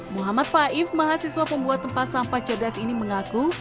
muhammad faif mahasiswa pembuat tempat sampah cerdas ini mengaku